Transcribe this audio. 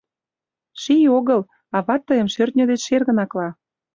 Ший огыл, ават тыйым шӧртньӧ деч шергын акла...